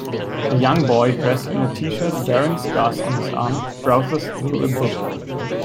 A young boy dressed in a tshirt bearing scars on his arm, browses through a book.